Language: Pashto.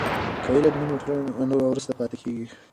که علم وي نو ټولنه نه وروسته پاتې کیږي.